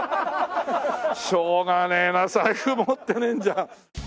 しょうがねえな財布持ってねえんじゃ。